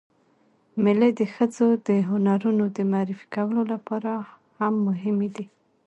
مېلې د ښځو د هنرونو د معرفي کولو له پاره هم مهمې دي.